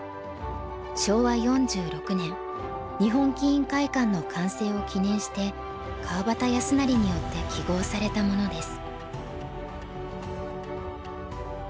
昭和４６年日本棋院会館の完成を記念して川端康成によって揮ごうされたものです。